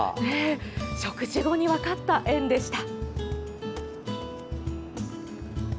植樹後に分かった縁でした。